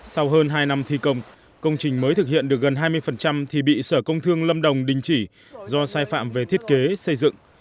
sau hơn hai năm thi công công trình mới thực hiện được gần hai mươi thì bị sở công thương lâm đồng đình chỉ do sai phạm về thiết kế xây dựng